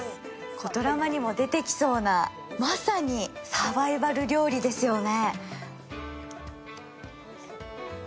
ドラマにも出てきそうな、まさにサバイバル料理ですよね。